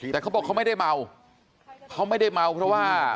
แต่เขาบอกเขาไม่ได้เมาเขาไม่ได้เมาเพราะว่า